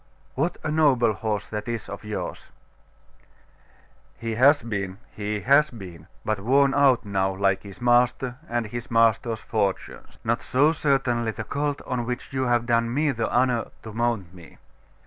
What a noble horse that is of yours!' 'He has been he has been; but worn out now, like his master and his master's fortunes....' 'Not so, certainly, the colt on which you have done me the honour to mount me.